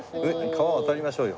川渡りましょうよ。